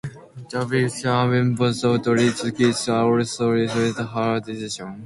The Venetian ambassador Zorzi Giustinian also reported her decision.